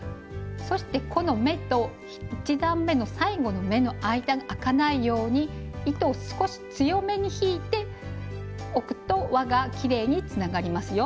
そしてこの目と１段めの最後の目の間があかないように糸を少し強めに引いておくと輪がきれいにつながりますよ。